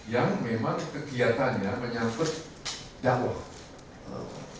yang memang kegiatannya menyangkut dakwah